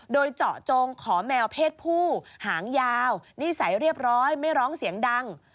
โดยเจาะจงขอแมวเพศผู้หางยาวนิสัยเรียบร้อยไม่ร้องเสียงดัง